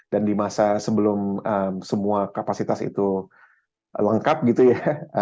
dan di masa sebelum semua kapasitas itu lengkap gitu ya